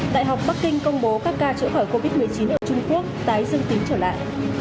đại học bắc kinh công bố các ca chữa khỏi covid một mươi chín ở trung quốc tái dương tính trở lại